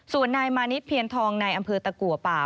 ส่วนนายมานิดเพียนทองในอำเภอตะกัวป่า